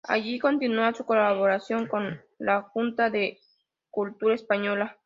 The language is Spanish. Allí continúa su colaboración con la Junta de Cultura Española.